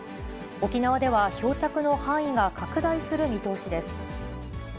沖縄では漂着の範囲が拡大する見通しです。